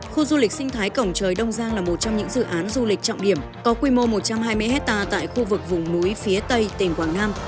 khu du lịch sinh thái cổng trời đông giang là một trong những dự án du lịch trọng điểm có quy mô một trăm hai mươi hectare tại khu vực vùng núi phía tây tỉnh quảng nam